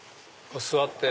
座って。